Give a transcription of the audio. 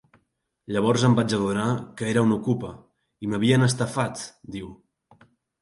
Llavors em vaig adonar que era una okupa i m’havien estafat, diu.